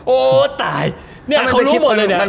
โอ้ววววตาย